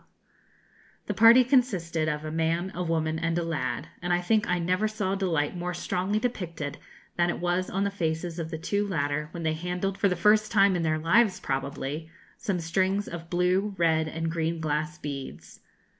] The party consisted of a man, a woman, and a lad; and I think I never saw delight more strongly depicted than it was on the faces of the two latter, when they handled, for the first time in their lives probably, some strings of blue, red, and green glass beads.